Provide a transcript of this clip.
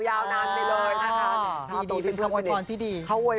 ยาวนานไปเลย